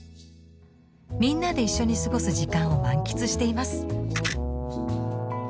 みんなで一緒に過ごす時間を満喫しています。